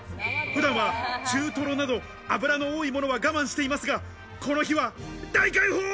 普段は中トロなど、脂の多いものは我慢していますが、この日は大解放！